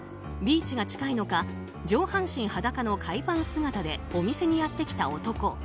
ビーチが近いのか上半身裸の海パン姿でお店にやってきた男。